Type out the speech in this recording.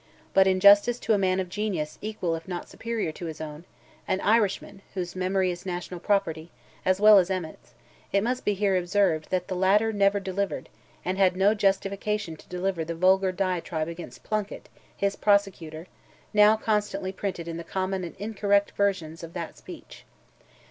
But in justice to a man of genius equal if not superior to his own—an Irishman, whose memory is national property, as well as Emmet's, it must here be observed, that the latter never delivered, and had no justification to deliver the vulgar diatribe against Plunkett, his prosecutor, now constantly printed in the common and incorrect versions of that speech.